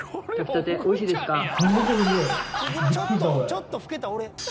「ちょっと老けた俺」